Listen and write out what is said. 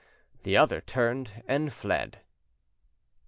The other turned and fled.